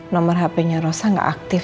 nomor hp nya rosa gak aktif